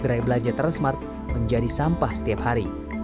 gerai belanja transmart menjadi sampah setiap hari